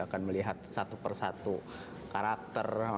akan melihat satu persatu karakter